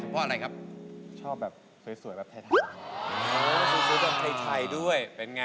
เพราะผมชอบสวยสวยแบบไทยด้วย